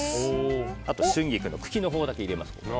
あと春菊の茎のほうだけ入れます。